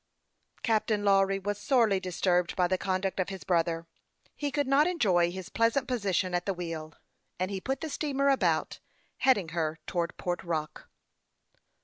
Captain Lawry was sorely disturbed by the con duct of his brother. He could not enjoy his pleasant 214 HASTE AND WASTE, OR position at the wheel, and he put the steamer about, heading her towards Port Rock.